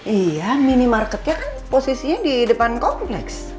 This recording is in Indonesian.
iya minimarketnya kan posisinya di depan kompleks